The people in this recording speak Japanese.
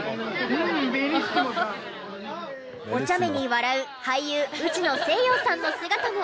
おちゃめに笑う俳優内野聖陽さんの姿も！